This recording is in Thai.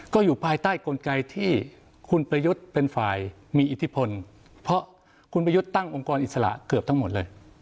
ก็อยู่ภายใต้กลไกที่คุณประยุทธ์เป็นฝ่ายมีอิทธิพลเพราะคุณประยุทธ์ตั้งองค์กรอิสระเกือบทั้งหมดเลย